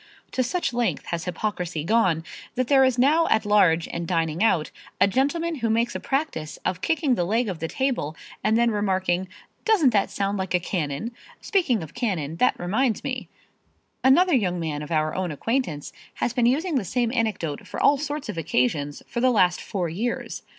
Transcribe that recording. To such length has hypocrisy gone, that there is now at large and dining out, a gentleman who makes a practice of kicking the leg of the table and then remarking, "Doesn't that sound like a cannon? Speaking of cannon, that reminds me " Another young man of our own acquaintance has been using the same anecdote for all sorts of occasions for the last four years.